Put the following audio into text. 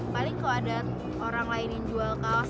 paling kalau ada orang lain yang jual kaos